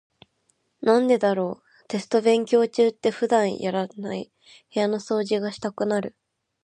なんでだろう、テスト勉強中って普段やらない部屋の掃除がしたくなる。